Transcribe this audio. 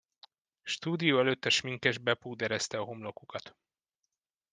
A stúdió előtt a sminkes bepúderezte a homlokukat.